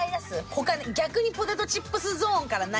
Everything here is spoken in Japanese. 他に逆にポテトチップスゾーンからないかな。